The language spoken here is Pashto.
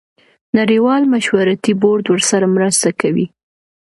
نړیوال مشورتي بورډ ورسره مرسته کوي.